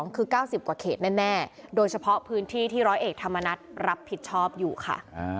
๙คือ๙๐กว่าเขตแน่โดยเฉพาะพื้นที่ที่ร้อยเอกธรรมนัฐรับผิดชอบอยู่ค่ะ